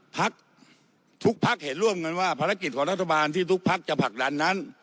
ทุกพักเห็นร่วมกันว่าภารกิจของรัฐบาลที่ทุกพักจะผลักดันนั้น